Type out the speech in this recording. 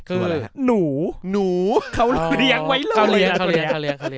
คืออะไรหนูหนูเขาเลี้ยงไว้เลยเขาเลี้ยงเขาเลี้ยงเขาเลี